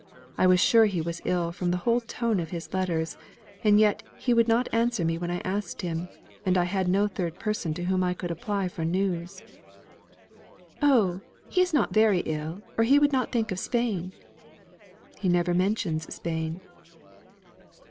I was sure he was ill from the whole tone of his letters, and yet he would not answer me when I asked him, and I had no third person to whom I could apply for news." "Oh! he is not very ill, or he would not think of Spain." "He never mentions Spain."